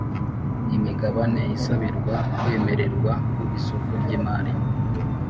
Imigabane isabirwa kwemererwa ku isoko ry imari